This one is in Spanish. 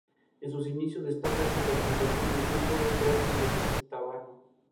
Mientras la etarra lo colocaba, García Gaztelu vigilaba las inmediaciones.